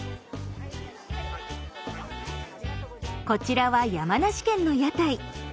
こちらは山梨県の屋台。